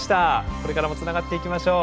これからもつながっていきましょう。